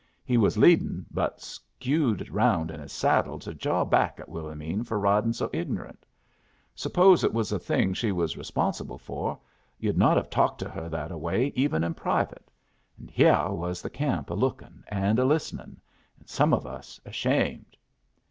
He was leadin', but skewed around in his saddle to jaw back at Willomene for riding so ignorant. Suppose it was a thing she was responsible for, yu'd not have talked to her that a way even in private; and hyeh was the camp a lookin', and a listenin', and some of us ashamed.